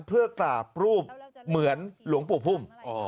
เพื่อกราบรูปเหมือนหลวงปู่พุ่ม